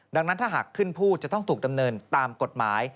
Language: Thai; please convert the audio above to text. ดังนั้นถ้าหากขึ้นผู้จะต้องถูกดำเนินตามกฎหมาย